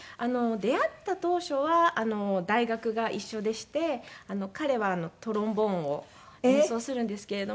出会った当初は大学が一緒でして彼はトロンボーンを演奏するんですけれども。